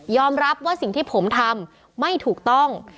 รับว่าสิ่งที่ผมทำไม่ถูกต้อง